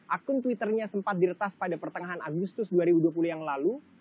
akun twitternya sempat diretas pada pertengahan agustus dua ribu dua puluh yang lalu